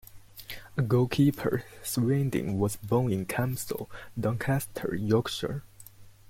A Goalkeeper, Swindin was born in Campsall, Doncaster, Yorkshire.